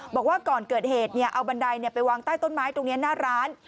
บอกว่าก่อนเกิดเหตุเอาบันไดไปวางใต้ต้นไม้ตรงนี้หน้าร้าน